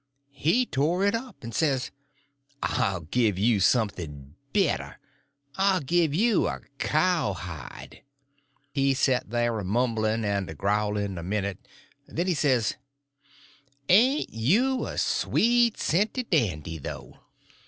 He tore it up, and says: "I'll give you something better—I'll give you a cowhide." He set there a mumbling and a growling a minute, and then he says: "Ain't you a sweet scented dandy, though?